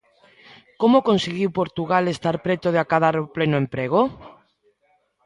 Como conseguiu Portugal estar preto de acadar o pleno emprego?